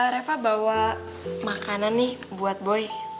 reva bawa makanan nih buat boy